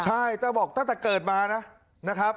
ใช่ตาบอกตั้งแต่เกิดมานะครับ